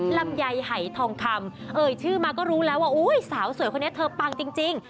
ลำไยหายทองคำเอ่ยชื่อมาก็รู้แล้วว่าสาวสวยคนนี้เธอปังจริง